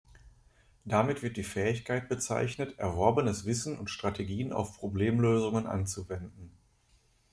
Damit wird die Fähigkeit bezeichnet, erworbenes Wissen und Strategien auf Problemlösungen anzuwenden.